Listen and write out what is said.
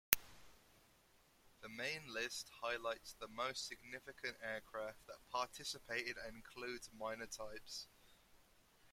The main list highlights the most significant aircraft that participated and includes minor types.